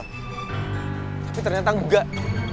tapi ternyata enggak